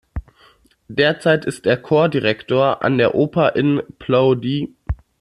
Derzeit ist er Chordirektor an der Oper in Plowdiw.